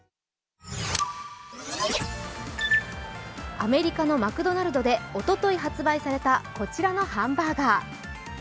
アメリカのマクドナルドでおととい発売された、こちらのハンバーガー。